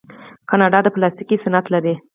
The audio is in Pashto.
کاناډا د پلاستیک صنعت لري.